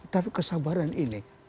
tapi kesabaran ini